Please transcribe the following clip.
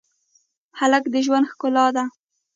هلک د ژوند ښکلا ده.